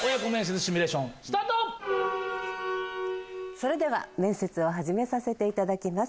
それでは面接を始めさせていただきます。